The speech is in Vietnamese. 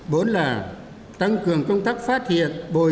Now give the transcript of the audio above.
bốn là tăng cường công tác phát hiện bồi dưỡng tuyên truyền công tác